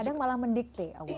kadang malah mendikti allah